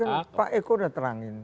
kan pak eko udah terangin